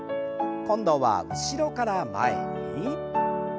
今度は後ろから前に。